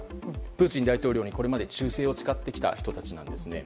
プーチン大統領にこれまで忠誠を誓ってきた人たちです。